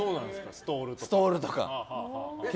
ストールとか。